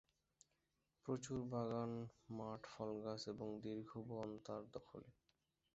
প্রচুর বাগান মাঠ ফলগাছ এবং দীর্ঘ বন তাঁর দখলে।